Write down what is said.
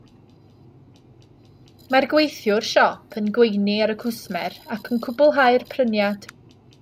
Mae'r gweithiwr siop yn gweini ar y cwsmer ac yn cwblhau'r pryniad